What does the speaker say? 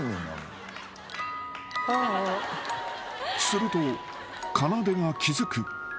［するとかなでが気付く］